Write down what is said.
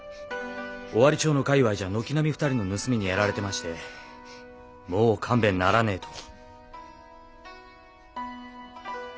尾張町の界わいじゃ軒並み２人の盗みにやられてましてもう勘弁ならねえと。